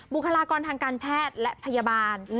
บุคลากรทางการแพทย์และพยาบาล